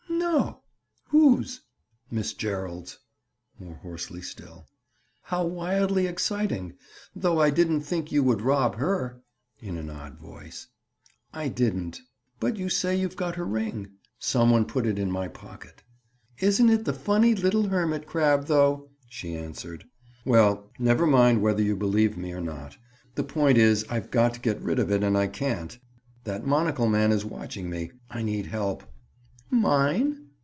"No. Whose?" "Miss Gerald's." More hoarsely still. "How wildly exciting! Though I didn't think you would rob her." In an odd voice. "I didn't." "But you say you've got her ring?" "Some one put it in my pocket." "Isn't it the funny little hermit crab, though!" she answered. "Well, never mind whether you believe me or not. The point is, I've got to get rid of it and I can't. That monocle man is watching me. I need help." "Mine?"